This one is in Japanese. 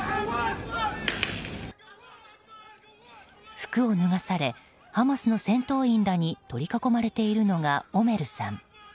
服を脱がされハマスの戦闘員らに取り囲まれているのがオメルさん。